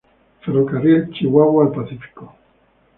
Ferrocarril Chihuahua al Pacífico